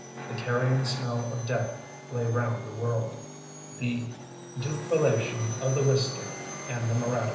The carrion smell of death lay round the world. The dufellation of the Wistick and the Moraddy.